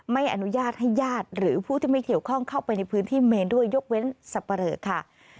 ไม่อนุญาตให้ญาติหรือผู้ที่ไม่เกี่ยวข้องเข้าไปในพื้นที่เมนด้วยยกเว้นสับปะเรอค่ะ